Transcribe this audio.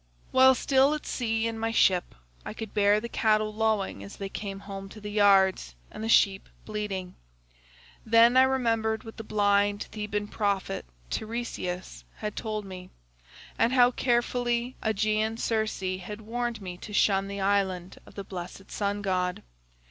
While still at sea in my ship I could bear the cattle lowing as they came home to the yards, and the sheep bleating. Then I remembered what the blind Theban prophet Teiresias had told me, and how carefully Aeaean Circe had warned me to shun the island of the blessed sun god.